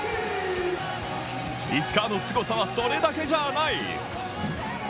石川のすごさは、それだけじゃない。